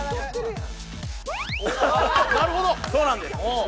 なるほどそうなんです